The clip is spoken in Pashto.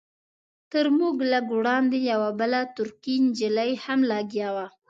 تر موږ لږ وړاندې یوه بله ترکۍ نجلۍ هم لګیا وه.